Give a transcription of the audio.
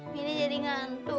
mini jadi ngantuk